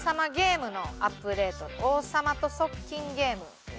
王様と側近ゲーム。